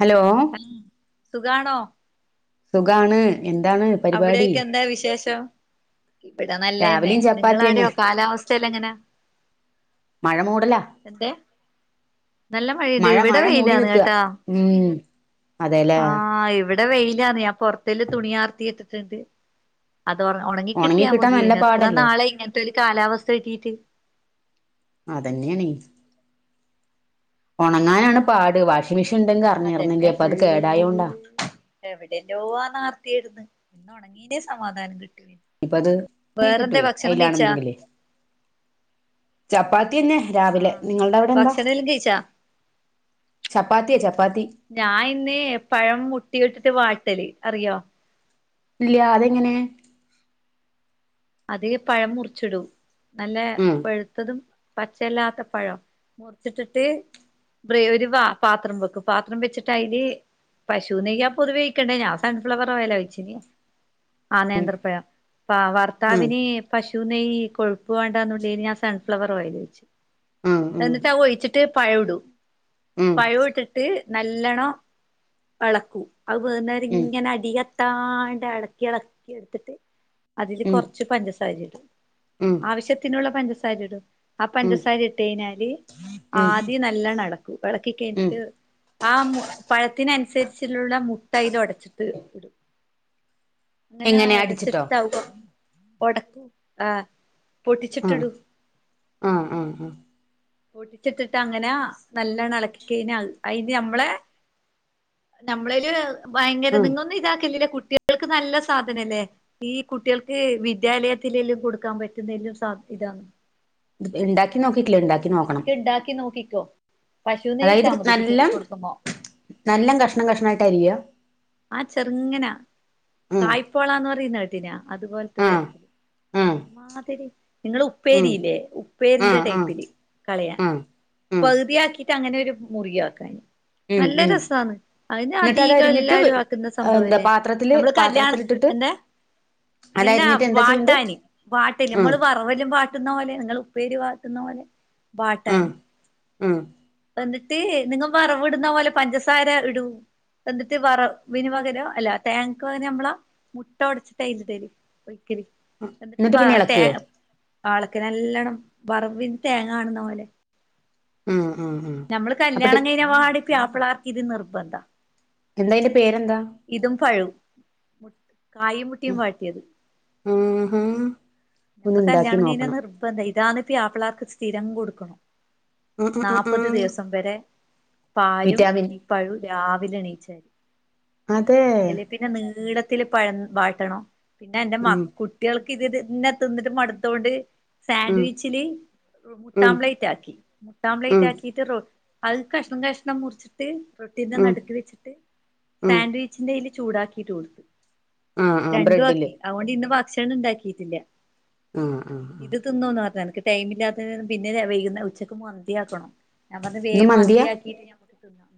Hello. ഹൽ സുഖാണോ? സുഖാണ് എന്താണ്? പരിപാടി അവിടെക്കെന്താ വിശേഷം? ഇവിടെ നല്ലേന്നെ രാവിലെയും ചപ്പാത്തി തന്നെ നിങ്ങളാട്യോ കാലാവസ്ഥയെല്ലാം എങ്ങനാ? മഴ മൂടല. എത്തേ? മഴ മഴ മൂടി വെയിലാന്ന് നിക്ക കേട്ടാ ഉം അതെല്ലേ. ടെ വെയിലാന്നേ ഞാ പൊർത്തെല് തുണി ആർത്തി ഇട്ടിട്ട്ണ്ട്. അതോർ ഒണങ്ങി ഉണങ്ങി കിട്ട്യാ കിട്ടാൻ നല്ല മത്യേന് എത്ര പാടല്ലേ നാളായി ഇങ്ങൻത്തെര് കാലാവസ്ഥ കിട്ടിട്ട്. അതന്നെണെയ്. ഒണങ്ങാനാണ് ആഹ് പാട് വാഷിംഗ് മെഷീൻ ഇണ്ടെങ്കി അറിഞ്ഞിറുന്നെല്ല്യപ്പൊ അത് കേടായോണ്ടാ എവിടെയല്ലോവാന്ന് ആർത്തിയേർന്ന് ഇന്ന് ഉണങ്ങീനേ സമാധാനം കിട്ടുവി ഇപ്പ അത് ഉണങ്ങി വേറെന്താ കിട്ടുവേ ഭക്ഷണം കഴ്ച്ചോ അയിലാണെന്നെങ്കില് ചപ്പാത്തിയന്നെ രാവിലെ ആഹ് നിങ്ങള്ടെ അവ്ടെ എന്താ ഭക്ഷണെല്ലാം കഴിച്ചാ ചപ്പാത്തിയേ ചപ്പാത്തി ഞാൻ ഇന്ന് പഴം മുട്ടി ഇട്ടിട്ട് വാട്ടല് അറിയോ ഇല്ല്യാ അതെങ്ങനെ അതീ പഴം മുറിച്ചിടും നല്ല ഉം പഴുത്തതും പച്ചയല്ലാത്ത പഴം മുർച്ചിട്ടിട്ട് [unintelligible] ഒരു വ പാപാത്രം വെക്കും പാത്രം വെച്ചിട്ട അയ്ല് പശു നെയ്യാ പൊതുവേ ഒഴിഴിക്കേണ്ടേ ഞാ സൺഫ്ലവർ ഓയാലാ ഒയിച്ചീനീ ആഹ് ഉം നേന്ത്രപഴം ആ ഉം ഭർത്താവിനീ പശു നെയ്യ് കൊഴ്പ്പ് വേണ്ടന്നുള്ള ഞാൻ സൺഫ്ലവർ ഓയില് ഒഴിച്ച് ഉം ഉം എന്നിട്ട് അത് ഒഴിച്ചിട്ട് പഴം ഇടും ഉം പഴം ഇട്ടിട്ട് നല്ലോണ്ണം എളക്കും. അത് ഉം വേകുന്നവരെ അടിയത്താണ്ട് എളക്കി എളക്കി എട്ത്തിട്ട് അതില് ഉം കൊർച്ച് പഞ്ചസാരി ഇടും ഉം ആവശ്യത്തിനുള്ള പഞ്ചസാര ഇടും ആ ഉം പഞ്ചസാര ഇട്ടഴിഞ്ഞാല് ഉം ആദ്യം നല്ലണ ഇളക്കും എളക്കി ഉം കഴിഞ്ഞിട്ട് ആ മു പഴത്തിനനുസർച്ചുള്ള മുട്ടയ്ൽ ഒട്ച്ചിട്ട് ഇടും അങ്ങനെയ എങ്ങനെ അടിച്ചിട്ടോ അടച്ചിട്ടിട്ടാവവാ പടക്കൂ ആ ആഹ് പൊട്ടിച്ചിട്ടിടൂ ആഹ് ആഹ് ആഹ് ഓട്ടിച്ചിട്ടിട്ട് അങ്ങനെ നല്ലണ ഇളക്കികയിന്ന അയ്ന് നമ്മളെ നമ്മളേല് ഭയങ്കര ആഹ് ഇതിങ്ങളൊന്നും ഇതാക്കലില്ല കുട്ടികൾക്ക് നല്ല സാധനല്ലേ ഈ കുട്ടിയാൾക്ക് വിദ്യാലയത്തിലെല്ലും കൊടുക്കാൻ പറ്റുന്നലും സ ഇതാണ് ഇണ്ടാക്കി നോക്കിട്ട് ല്ല ഇണ്ടാക്കി നോക്കണം ഒരിക്കെ ഇണ്ടാക്കി നോക്കിക്കോ പശു നെയ്യിട്ടാ മതി കുട്ടികൾക്ക് കൊടുക്കുമ്പോ നല്ലം കഷ്ണം കഷ്ണായിട്ട അരിയ ആ ചെറുങ്ങന ഉം കായ്പോളാന്ന് പറയുന്നകേട്ടീനോ അതുപോലത്തെ ആഹ് തരത്തില് ആഹ് ചെറുമാതിരി നിങ്ങള് ഉം ഉപ്പേരില്ലേ ഉപ്പേരിന്റെ ആഹ് ആഹ് ടൈപ്പില് കളയാ ആഹ് ഉം പകുതിയാക്കിട്ട് അങ്ങനെയൊ രു മുറിയാക്കാന് ഉം നല്ല ഉം രസാണ് അതിന് എന്നിട്ട് അത് അധികം അരിഞ്ഞിട്ട് എല്ലാർ [unintelligible] ക്കുന്ന എന്താ സംഭവല്ലേ പാത്രത്തില് നമ്മള് കല്യാണ പാത്രത്തിലിട്ടിട്ട് എന്ത് ഇങ്ങനെ അതരിഞ്ഞിട്ട് എന്താ ചെയ്യണ്ട് വാട്ടാനി വാട്ടൽ ഉം നമ്മള് വാ അവലും വാട്ടുന്ന പോലെ നിങ്ങള് ഉപ്പേരി വാട്ടുന്ന പോലെ ഉം വാട്ടാനി ഉം എന്നിട്ട് നിങ്ങ വറവ് ഇടുന്ന പോലെ പഞ്ചസാര ഇടൂ എന്നിട്ട് വറ വിനിമകനോ അല്ല താങ്ക്യൊ [unintelligible] നമ്മള മുട്ട ഒട്ച്ചിട്ടായ്ല് ഇടല് ഒഴിക്കല് എന്നിട്ട് വ പിന്നെ തേ ഇളക്ക് ആളക്കിനല്ലണം വറവിന് തേങ്ങ കാണുന്ന പോലെ ഉം ഉം ഉം [unintelligible] [unintelligible] നമ്മള് അപ്പൊ ടി കല്യാണം കഴിഞ്ഞ പാട് പ്യാപ്പിളാർക്ക് ഇത് നിർബന്ധ എന്താ അയ്ന്റെ പേരെന്താ ഇതും പഴും മുട്ട് കായും മുട്ടിംവാട്ടിയത് ഉം ഉം നമ്മക്ക് കല്യാണം കഴിഞ്ഞ നിർബന്ധ ഇതാണ് പിയപ്പിള്ളാർക്ക് സ്ഥിരം കൊടുക്കണം. ഉം ഉം ഉം നാല്പ്പത് ഉം ദിവസം വരെ പാലും വിറ്റാമിൻ ഈ പഴും രാവിലെ എണീച്ചാല് അതേ പിന്നെ നീളത്തില് പഴം വാട്ടണം പിന്നെ എന്റെ മ ഉം കുട്ടികൾക്കിത് ഇത് തന്നെ തിന്ന്ട്ട് മട്ത്തോണ്ട് ഉം സാൻവിച്ചില് ഉം മുട്ടാംപ്ലേറ്റാക്കി ഉം മുട്ടാംപ്ലേറ്റാക്കിട്ട് റൊ അത് കഷ്ണം കഷ്ണം മുറിച്ചിട്ട് റൊട്ടീന്റെ ഉം നടുക്കി വെച്ചിട്ട് ഉം സാൻവി [unintelligible] ചൂടാക്കിട്ട് കൊടുത്ത ആഹ് ആഹ് രണ്ടു ബ്രെഡില് ആക്കി അതുകൊണ്ട് ഇന്ന് ഭക്ഷണം ഇണ്ടാക്കിട്ടില്ല ആഹ് ആഹ് ആഹ് [unintelligible] എനിക്ക് ടൈംമില്ലാത്ത പിന്നെ വൈകുന്ന ഉച്ചക്ക് മന്തിയാക്കണം ഞാൻ പറഞ്ഞ് ഇന്ന് വേം മന്തിയാ മന്തിയാക്കി നമുക്ക് തിന്നാം.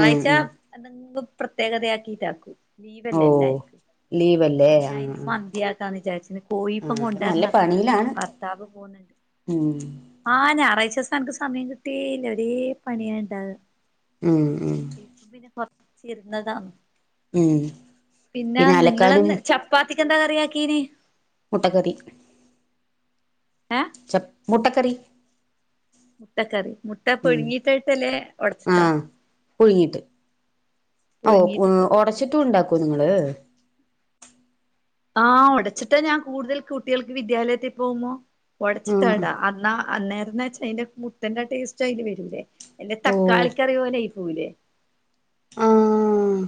ഉം ഉം അതെന്തും പ്രത്യേകതയാക്കിട്ടാക്കൂ ലീവല്ലേ ഓഹ് എല്ലാർക്കും ലീവല്ലേ അതുകൊണ്ട് ഞാൻ ആഹ് ഇന്ന് ആഹ് മന്തിയാക്കാന്ന് വിചാരിച്ചിന്ന് കോയി ഇപ്പം ആഹ് അത് നല്ല കൊണ്ടുവരണം അത്ര പണിയിലാണ് ഭർത്താവ് പോന്നുണ്ട് ഉം ആ ഞായറാഴ്ചസം അനക്ക് സമയം കിട്ടേല്ല ഒരേ പണിയാ ഇണ്ടാവാ. ഉം ഹും പിന്നെ കൊറച്ച് ര്ന്നതാ ഉം പിന്നെ നിങ്ങളന്ന് ച പ്പാത്തിക്ക് എന്താ കറിയാക്കീന്? മുട്ടകറി ഏഹ് ച മുട്ടക്കറി മുട്ടക്കറി മുട്ട ഉം പുഴുങ്ങിയിട്ടട്ടല്ലേ ഉടച്ചിട്ടാ ആഹ് പുഴുങ്ങിട്ട് അഹ ഓ പുഴുങ്ങിയിട്ടിട്ടതേരിക്കുല്ലേ ഒടച്ചിട്ടും ഉണ്ടാക്കോ നിങ്ങള് ആഹ് ഒടച്ചിട്ടാ ഞാൻ കൂടുതൽ കുട്ടികൾക്ക് വിദ്യാലയത്തിൽ പോവുമോ ആഹ് ഒടച്ചിട്ടാടാ അന്നാ അന്നേരംന്ന്ച്ച് അതിന്റെ മുട്ടന്റെ ടേസ്റ്റ് അതിന് വരൂലേ എന്റെ ഓഹ് തക്കാളിക്കറി പോലായി പോവൂലേ ആഹ്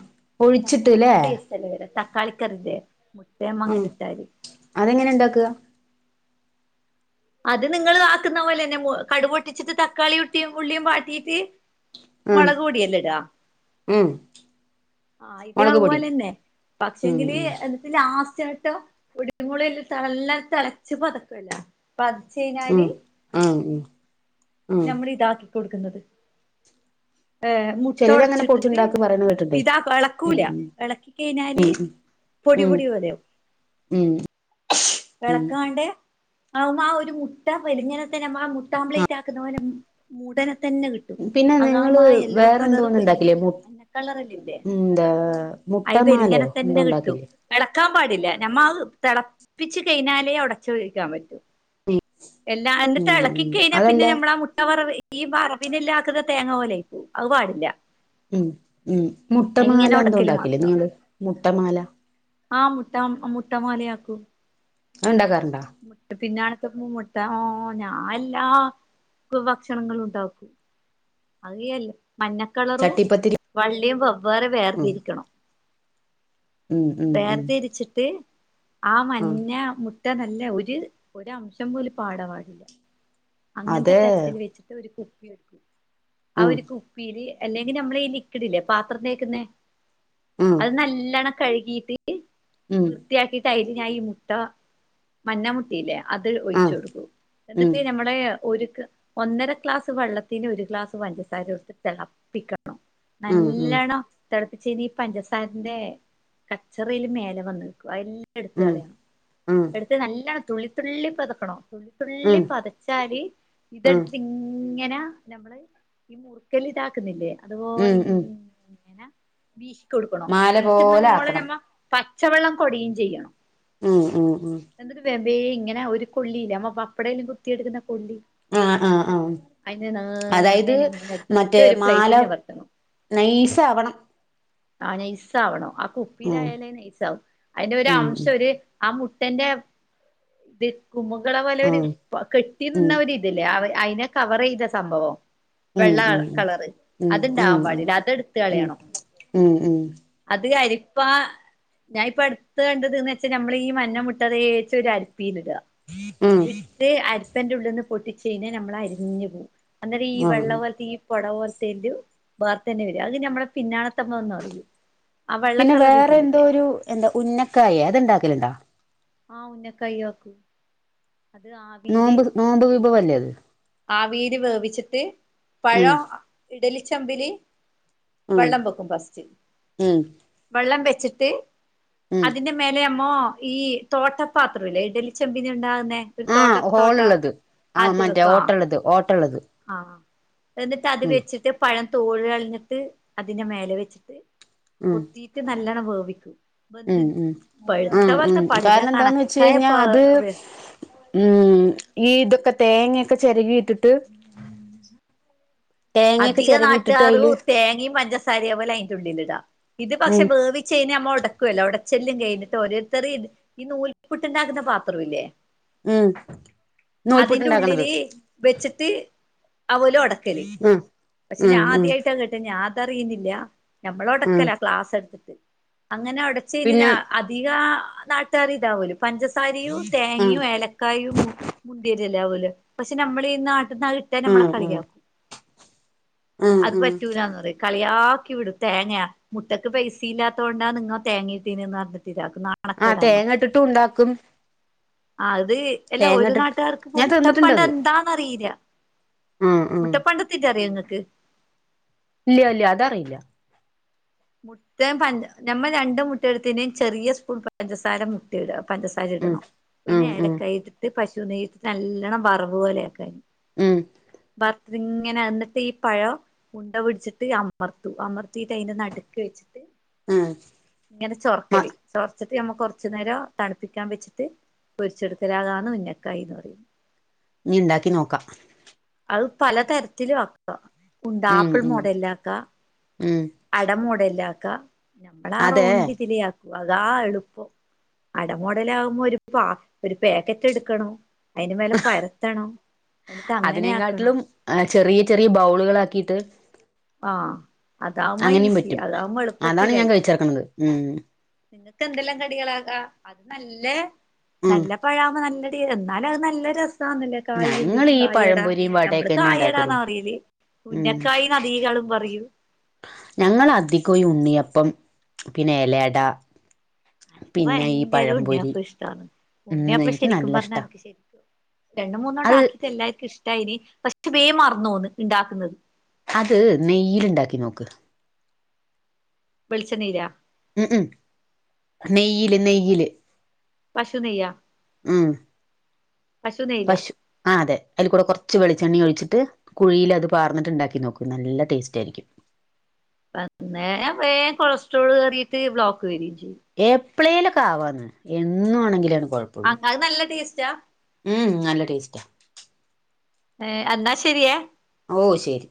ഒഴിച്ചിട്ട്ല്ലേ തക്കാളിൻ്റെ ടേസ്റ്റ് അല്ലേ വരുക തക്കാളി കറിൻ്റെ മുട്ടേ ആഹ് മങ്ങനെ ഇട്ടാതി അതെങ്ങനെ ഉണ്ടാക്കുക അത് നിങ്ങള് ആക്കുന്ന പോലെതന്നെ കടുക് പൊട്ടിച്ചിട്ട് തക്കാളി ഉട്ടിയും ഉള്ളിയും വാട്ടീട്ട് മുളക് പൊടിയല്ലടാ ഹും ആയിട്ട് അതുപോലെ തന്നെ പക്ഷെ ഉം എങ്കില് ഉം ഇതി ലാസ്റ്റ് ആയിട്ട് ഒടി മുളൽ നല്ലാ തിളച്ച് പതക്കല്ലേ പതിച്ച് ഉം കഴിഞ്ഞാല് ആഹ് ഉം നമ്മൾ ഇതാക്കി കൊടുക്കുന്നത് ഏ മുട്ട ചിലരങ്ങനെ ഒടച്ചിട്ടിട്ട് പൊടിച്ചുണ്ടാക്കി പറയണ കേട്ടിണ്ടേ ഇതാ ഉം ഇളക്കൂല ഇളക്കി കഴിഞ്ഞാല് ഉം ഉം ഉം പൊടിപൊടി പോലെവും ഉം എളക്കാണ്ടേ ആ ആ ഒരു മുട്ട വലിങ്ങനെ തന്നെ നമ്മൾ ആ മുട്ട ആപ്ലേറ്റിക്കുന്ന പോലെ മൂടനെ തന്നെ കിട്ടും പിന്നെ നിങ്ങള് അതാവുമ്പോ ആ യെല്ലോ വേറെ കളറ് എന്തോന്ന് വല്യ ഉണ്ടാക്കില്ലേ മു മഞ്ഞ കളറല്ലില്ലേ എന്താ മുട്ട അത് വെലിങ്ങനെ മാലയോ എന്തോ തന്നെ കിട്ടും ഉണ്ടാക്കില്ലേ എളക്കാൻ പാടില്ല ഞമ്മ ആ തിളപ്പിച്ച് കഴിഞ്ഞാലേ ഒടച്ച് ഒഴിക്കാൻ പറ്റൂ എല്ലാ അന്റെ ഉം എളക്കി ഉം കഴിഞ്ഞാൽ അതല്ല പിന്നെ നമ്മള ആ മുട്ട വറവ് ഈ വറവിനല്ലാത്തത് തേങ്ങാ പോലെ ആയിപോവും അത് പാടില്ല. ഉം ഉം മുട്ടമാല അതിങ്ങനെ എന്തോ ഒടക്കല് ഉണ്ടാക്കില്ലേ നിങ്ങൾ മുട്ടമാല ആ മുട്ട മുട്ടമാലയാക്കൂം അതുണ്ടാക്കാറുണ്ടാ മുട്ട പിന്നെക്ക് മുട്ട ഞാൻ എല്ലാ ഭക്ഷണങ്ങളും ണ്ടാക്കും [unintelligible] മഞ്ഞക്കളറും ചട്ടിപ്പത്തിരി വള്ളിം വെവ്വേറെ ഉം വേർതിരിക്കണം. ഉം ഉം ഉം വേർതിരിച്ചിട്ട് ആ ആഹ് മഞ്ഞ മു ഇട്ട നല്ല ഒര് ഒര അംശം പോലും പാട പാടില്ല. അങ്ങനത്തെ അത് തരത്തിൽ വെച്ചിട്ട് ഒരു കുപ്പിട്ക്കും ആ ഉം ഒരു കുപ്പിയില് അല്ലെങ്കിൽ നമ്മളെ ഈ ലിക്വിഡ്ല്ലേ പാത്രം തേക്ക്ന്നേ ഉം അത് നല്ലണ്ണം കഴുകിട്ട്ട്ട് ഉം വൃത്തിയാക്കിയിട്ട് അയിൽ ഞാനീ മുട്ട മഞ്ഞ മുട്ടയില്ലേ അത് ഒഴിച് ആഹ് കൊടുക്കൂ ഉം എന്നിട്ട് നമ്മുടെ ലേ ഒരു ഒന്നര ക്ലാസ്സ്‌ വെള്ളത്തിനു ഒരു ഗ്ലാസ്‌ പഞ്ചസാരടുത്ത് തെളപ്പിക്കണം ഉം ഉം നല്ലണം തെളപ്പിച്ചെയ്‌നാ ഈ പഞ്ചസാരന്റെ കച്ചറെല്ലാം മേലെ വന്ന് നിക്കും അയെല്ലാം എടുത്ത് ഉം ഉം കളയണം ഉം എടുത്ത് നല്ലണം തുള്ളിത്തുള്ളി പതക്കണം തുള്ളിത്തുള്ളി പത തച്ചാല് ഉം ഇതെടുത്തിട്ടിങ്ങനെ നമ്മള് ഈ മുറുക്കല് ഇതാക്കുന്നില്ലേ ഉം ഉം അതുപോലിങ്ങനെ ബീഷി കൊടുക്കണം മാല ഭീഷുന്ന പോലെ മോളെ ആക്കണം ഞമ്മ പച്ചവെള്ളം കൊടിയും ചെയ്യണം. ഉം ഉ ഉം. എന്നിട്ട് വേം വേം ഇങ്ങനെ ഒരു കൊള്ളിയില്ലേ ഞമ്മ പപ്പടെല്ലാം കുത്തിയെടുക്കുന്ന കൊള്ളി. ആ ആഹ് ആഹ് അതിനെ അതായത് നേർങ്ങനെ ഇങ്ങനെ എടുത്തിട്ട് മറ്റേ ഒരു മാല പ്ലേറ്റിൽ നിവർത്തണം നൈസാവണം ആ നൈസാവണം ആ ഉം കുപ്പിയിലായാലേ നെയസാവൂ അതിന്റെ ഉം ഒരംശം ഒരു ആ മുട്ടന്റെ ഇത് കുമുകള പോലെ ഒരു ആഹ് കെട്ടി ഉം നിന്ന ഒരു തില്ലേ അയിനെ കവർ ചെയ്ത സംഭവം ഉം വെള്ള ഉം കളറ് ഉം അത് ഉം ഉം ഇണ്ടാകാൻ പാടില്ല അതെടുത്ത് ഉം കളയണം ഉം ഉം. അത് അരിപ്പാ ഞാൻ ഇപ്പ അടുത്ത് കണ്ടത് ന്ന് വെച്ചാ നമ്മളീ ഈ മഞ്ഞ മുട്ടതേച്ച് ഒരു അരിപ്പീലിട ഉം ഇട്ട് അരിപ്പന്റെ ഉള്ളിന്ന് പൊട്ടിച്ചഴിഞ്ഞ ഞമ്മൾ അരിഞ്ഞു പോ അന്നേരം ഈ വെള്ള ആഹ് പോലത്തെ ഈ പെട പോലത്തയെല്ലോ ബേറെ തന്നെ വരും അത് ഞമ്മളെ പിന്നാണ [unintelligible] അറിയൂ. പിന്നെ വേറെ എന്തോ ഒരു എന്താ ഉന്നക്കായി അത്ണ്ടാക്കലണ്ടാ ആ ഉന്നക്കായി ആക്കും നോമ്പ് നോമ്പ് വിഭവല്ലേ അത്. ആവിയിൽ വേവിച്ചിട്ട് ഉം പഴം ഇഡലിച്ചമ്പിൽ ഉം വെള്ളം വെക്കും ഫസ്റ്റ് ഉം വെള്ളം വെച്ചിട്ട് ഉം അതിന്റെ മേലെ മ്മോ ഈ തോട്ടപാത്രം ഇല്ലേ ഇഡലിച്ചെമ്പിനുണ്ടാകുന്നേ തോട്ട ആഹ് തോട്ട ഹോളുള്ളത് ആഹ് ആറ്റ് മറ്റേ വെക്കാം ഓട്ടള്ളത് ഓട്ടള്ളത് ആഹ് എന്നിട്ട് അത് ഉം വെച്ചിട്ട് പഴം തോൽ കളഞ്ഞിട്ട് അതിന്റെ മേലെ വെച്ചിട്ട് ഉം കുത്തീട്ട് നല്ലണം വേവിക്കും ബന്ത് പഴുത്ത പോലത്തെ പാടില്ല കാരണന്താന്ന് വെച്ച് കണക്കായ പ കഴിഞ്ഞാൽ അത് ഉം ഈ ഇതൊക്കെ തേങ്ങൊക്കെ ചെരകി ഇട്ടിട്ട്. ആഹ് [inaudible] [unintelligible] അധിക നാട്ടുകാറും തെങ്ങീൻ പഞ്ചസാരയയും അതിന്ടുള്ളിലിടുക ഇത് പക്ഷെ ഉം വേവി കുറച് കഴിഞ്ഞ ഞമ്മ ഉടക്കുവല്ലോ ഉടച്ചെല്ലും കഴിഞ്ഞിട്ട് ഓരോരുത്തര് ഇത് ഈ നൂൽപ്പൂട്ട് ണ്ടാക്കുന്ന പാത്രംല്ലേ ഉം നൂൽപുട്ട്ണ്ടാക്കണത്. ഉള്ളില് വെച്ചിട്ട് അവലും ഒടക്കല്. ഉം പക്ഷെ ഉം ഉം ഞാൻആദ്യമായിട്ടാ കേട്ട് ഞാ അതറിയുന്നില്ല നഞമ്മളൊടെ ഉം ഓക്കേ ക്ലാസ് എടുത്തിട്ട് അങ്ങനെ ഉടച്ചഴിഞ്ഞ ഞ പിന്നെ അധിക നാട്ടുകാറും ഇതാപോലും പഞ്ചസ് താരിയും ഉം തേങ്ങയും ഏലക്കായയും മുന്തിരില്ലാവൂല പക്ഷെ നമ്മളീ നാട്ടിന്ന് ഇട്ട് ട്ടാ ഉം നമ്മളെ ഉം കളിയാക്കും. ഉം അത് ഉം പറ്റൂലാന്ന് പറയും. കളിയാക്കി വിടും തേങേ മുട്ടക്ക് പൈസിയില്ലാത്തോണ്ടാ നിങ്ങ തേങേട്ടീനന്ന് പറഞ്ഞിട്ടതാക്കും കണക്ക് ആഹ് ഇട തേങ്ങ മ്മക്ക് ഇട്ടിട്ടും ഉണ്ടാക്കും ആഹ അത് അല്ല തേങ്ങ ഒരു ഇട്ടിട്ട് നാട്ടുകാർക്ക് ഞാൻ മുട്ടപ്പം ട്ട് തിന്നിട്ടുണ്ടത് എന്താന്നറിയില്ല ഉം ഉം മുട്ടപ്പണ്ട് ഇതറിയോങ്ങക്ക് [unintelligible] ഇല്ല ഇല്ല അതറിയില്ല മുട്ടീം പഞ്ച ഞമ്മൾ രണ്ട് മുട്ട എടുത്തിനയും ചെറിയ സ്പൂൺ പഞ്ചസാര ട പഞ്ചസാര ഉം ഇടണം പിന്നെ ഉം ഉം ഏലകായിട്ടിട്ട് പശു നെയ്ട്ട്ട്ട് നല്ലണം വറവ് പോലെ ആക്കാ ഉം ബറ് അതിങ്ങനെ എന്നിട്ട് ഈ പഴം ഉണ്ട പുട്ച്ചിട്ട് അമർത്തും അമർത്തിയിട്ടയിന്റെ നട് വെച്ചിട്ട് ഉം ഇങ്ങനെ മ ചൊർക്കല് ചൊറ് ന്നട്ട് നമ്മക്ക് കുറച് നേരം തണുപ്പികാൻ വെച്ചിട്ട് പൊരിച്ചെടുക്കലതാണ് ഉന്നക്കായിന്ന് പറീന്നത് ഞ്ഞി ണ്ടാക്കി നോക്കാ അത് പലതരത്തിലും ആക്കാ ഉണ്ട ഉം ആപ്പിൾ ഉം മോഡലിലാകാ ഉം അടമോഡൽലാകാ നമ്മളാ ആ അതെ റൗണ്ട് ഇതില് അതാ എളുപ്പം അടമോഡലാവുമ്പോ ഒരു പാ ഒരു പേക്കറ്റ്ടുക്കണം. അയിൻ്റെ മേലെ പരത്തണം ന്നിട്ട്ങ്ങനേ ആ ചെറിയ ചെറിയ ബൗളുകളാക്കിയിട്ട് ആഹ് അതാവുമ്പോ അങ്ങനിം ഈസി പറ്റും അതാവുമ്പോ അതാണ് ഞാൻ കഴിചേർക്കണന്ത് ഉം. ങ്ങക്ക് ന്തെല്ലാം കടികളാകാ അത് നല്ലെ ഉം നല്ല ഴാവുമ്പോ നല്ല ടേ ന്നാലും അത് നല്ല രസാവുന്നില്ലേ. കായെല്ല് ഞങ്ങൾ ഈ കായട പഴംപൊരിയും നമ്മള് വടയൊക്കെ തന്നെ ഉണ്ടാക്കലും കായടാന്നാ പറയല് ഉന്നക്കായീന്നദീകാളും പറയും. ഞങ്ങള അധികം ഈ ഉണ്ണിയപ്പം പിന്നെ എലയട എനിക്കു ഭയങ്കരയുണ്ണിയപ്പയിഷ്ട്ടാണ്, ഉം ഉണ്ണിയപ്പം എനിക്ക് ശരിക്കും നല്ല പറഞ്ഞാ ഇഷ്ടാ എനക്ക് ശരിക്കും രണ്ട് മൂന്നോട്ട അത് ആക്കിയിട്ട് എല്ലാർക്കും ഇഷ്ടായീനി പക്ഷെ വേ മർന്നോന്ന് ണ്ടാക്ന്നത്. അത് നെയ്യില്ണ്ടാക്കി നോക്ക് വെളിച്ചെണ്ണീലാ ഉം ഉം നെയ്യില് നെയ്യില് പശു നെയ്യാ ഉം പശു ആ അതെ അതിൽ കൂടെ കൊറ്ച്ച് വെളിച്ചെണ്ണിം ഒഴിച്ചിട്ട് കുഴീലത് പാർന്നിട്ട്ണ്ടാക്കി നോക്കു നല്ല ടേസ്റ്റായിരിക്കും. അന്നേരം വേം കൊളസ്ട്രോൾ കേറിയിട്ട് ബ്ലോക്ക് വെരീം ചെയ്യും എപ്പളേലൊക്കെ ആവാന്ന് എന്നു ആണെങ്കിലാണ് കുഴപ്പൊ അ അത് നല്ല ടേസ്റ്റാ ഉം നല്ല ടേസ്റ്റാ ഏഹ് എന്നാ ശരിയേ ഓ ശരി